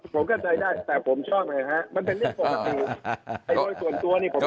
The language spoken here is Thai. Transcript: ผมเข้าใจได้แต่ผมชอบไงฮะมันเป็นลึกปกติ